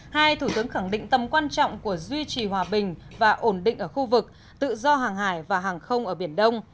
hai thủ tướng khẳng định tầm quan trọng của duy trì hòa bình và ổn định ở khu vực tự do hàng hải và hàng không ở biển đông